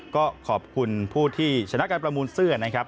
ก็ขอบคุณผู้ที่ชนะการประมูลเสื้อนะครับ